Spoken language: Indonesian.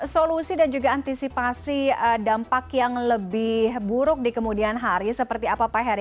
solusi dan juga antisipasi dampak yang lebih buruk di kemudian hari seperti apa pak heri